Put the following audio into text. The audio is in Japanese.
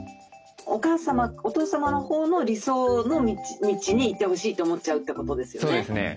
お母様お父様のほうの理想の道に行ってほしいと思っちゃうってことですよね？